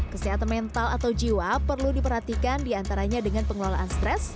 kesehatan mental atau jiwa perlu diperhatikan diantaranya dengan pengelolaan stres